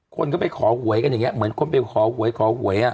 คนก็ไปขอหวยกันอย่างนี้เหมือนคนไปขอหวยขอหวย